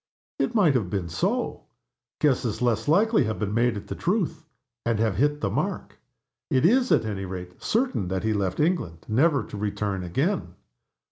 It might have been so guesses less likely have been made at the truth, and have hit the mark. It is, at any rate, certain that he left England, never to return again.